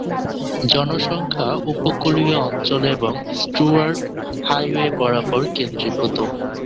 জনসংখ্যা উপকূলীয় অঞ্চলে এবং স্টুয়ার্ট হাইওয়ে বরাবর কেন্দ্রীভূত।